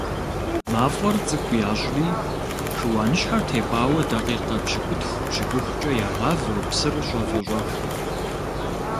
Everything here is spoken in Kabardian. Мафӏэр цӏыкӏу ящӏри шыуаныщхьэр тепӏауэ дакъикъэ пщыкӏутху - пщыкӏухкӏэ ягъавэ псыр щӏэвэщӏэху.